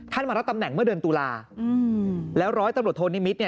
มารับตำแหน่งเมื่อเดือนตุลาแล้วร้อยตำรวจโทนิมิตร